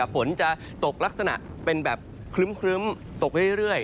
ฝนจะตกลักษณะเป็นแบบครึ้มตกไปเรื่อย